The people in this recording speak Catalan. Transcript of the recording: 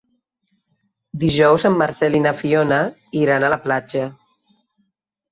Dijous en Marcel i na Fiona iran a la platja.